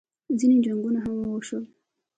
ځینې جنګونه هم وشول